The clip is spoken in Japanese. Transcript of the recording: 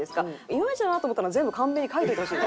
イマイチだなと思ったら全部カンペに書いといてほしい。